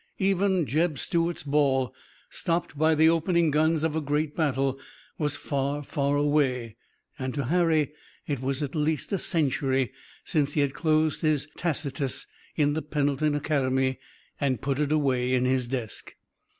Even Jeb Stuart's ball, stopped by the opening guns of a great battle, was far, far away, and to Harry, it was at least a century since he had closed his Tacitus in the Pendleton Academy, and put it away in his desk.